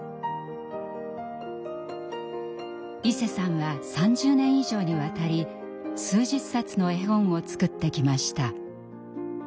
いせさんは３０年以上にわたり数十冊の絵本を作ってきました。